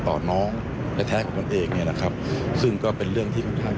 ทีนี้ก็ไม่อยากจะให้ข้อมูลอะไรมากนะกลัวจะเป็นการตอกย้ำเสียชื่อเสียชื่อเสียงให้กับครอบครัวของผู้เสียหายนะคะ